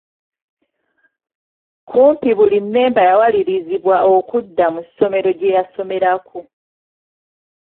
Kumpi buli mmemba yawalirizibwa okudda mu ssomero gye yasomerako.